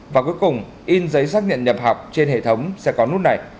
và cuối cùng in giấy xác nhận nhập học trên hệ thống sẽ có nút này